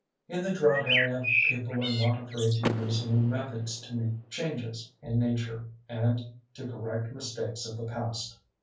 In the drought area people are not afraid to use new methods to meet changes in Nature, and to correct mistakes of the past.